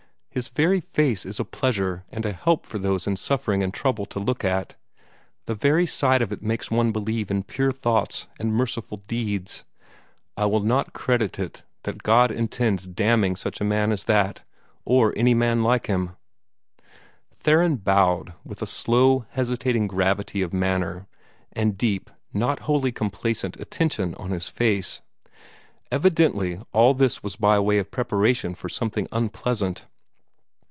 His very face is a pleasure and a help for those in suffering and trouble to look at. The very sight of it makes one believe in pure thoughts and merciful deeds. I will not credit it that God intends damning such a man as that, or any like him!'" Theron bowed, with a slow, hesitating gravity of manner, and deep, not wholly complacent, attention on his face. Evidently all this was by way of preparation for something unpleasant.